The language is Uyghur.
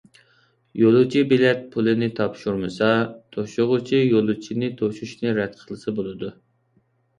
يولۇچى بېلەت پۇلىنى تاپشۇرمىسا، توشۇغۇچى يولۇچىنى توشۇشنى رەت قىلسا بولىدۇ.